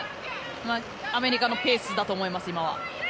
アメリカのペースだと思います、今は。